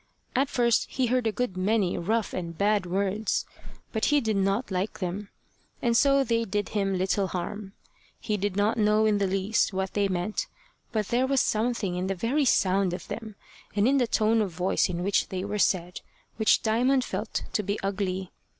At first, he heard a good many rough and bad words; but he did not like them, and so they did him little harm. He did not know in the least what they meant, but there was something in the very sound of them, and in the tone of voice in which they were said, which Diamond felt to be ugly.